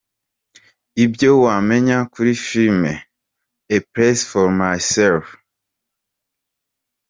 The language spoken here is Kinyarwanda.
Ibyo wamenya kuri filime �?A Place for Myself’.